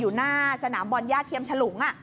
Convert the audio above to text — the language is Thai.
อยู่หน้าสนามบรญญาติเทียมฉลุง